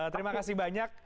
terima kasih banyak